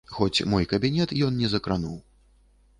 Хоць мой кабінет ён не закрануў.